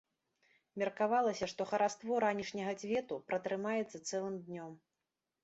Меркавалася, што хараство ранішняга цвету пратрымаецца цэлым днём.